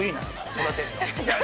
育てるの。